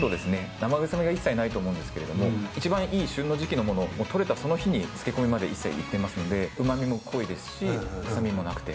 生臭みがいっさいないと思うんですけれどもいちばんいい旬の時期のものを獲れたその日に漬け込みまでいっていますので旨味も濃いですし臭みもなくて。